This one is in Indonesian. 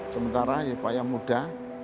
sementara ya payah muda